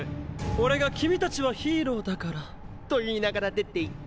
俺が「君たちはヒーローだから」と言いながら出ていく。